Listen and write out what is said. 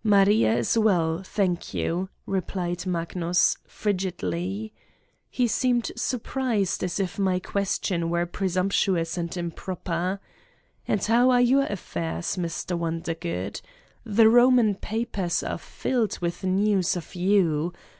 " Maria is well, thank you," replied Magnus, 58 Satan's Diary frigidly. He seemed surprised as if my question were presumptuous and improper. "And how are your affairs, Mr. Wondergood? The Boman papers are filled with news of you.